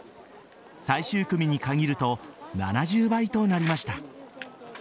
最終組に限ると７０倍となりました。